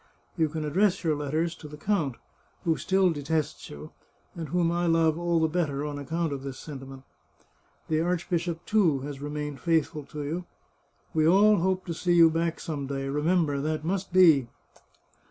You can address your letters to the count, who still detests you, and whom I love all the better on account of this sentiment. The archbishop, too, has re mained faithful to you. We all hope to see you back some day ; remember, that must be